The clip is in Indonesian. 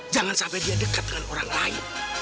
jangan sampai dia dekat dengan orang lain